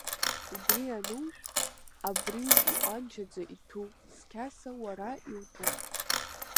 Убри анужә, абри иҟәанчаӡа иҭәу сқьаса уара иутәуп!